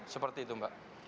seperti itu mbak